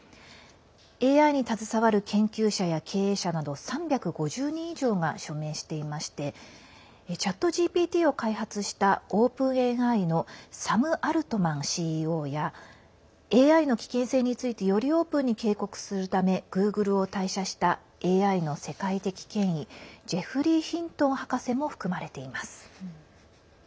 ＡＩに携わる研究者や経営者など３５０人以上が署名していましてＣｈａｔＧＰＴを開発したＯｐｅｎＡＩのサム・アルトマンＣＥＯやＡＩの危険性についてよりオープンに警告するためグーグルを退社したＡＩの世界的権威ジェフリー・ヒントン博士も含まれています。